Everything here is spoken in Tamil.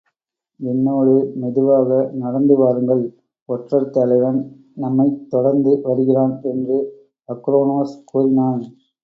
என்னோடு, மெதுவாக நடந்து வாருங்கள் ஒற்றர் தலைவன் நம்மைத் தொடர்ந்து வருகிறான் என்று அக்ரோனோஸ் கூறினான்.